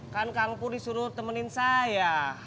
kan kangpur disuruh temenin saya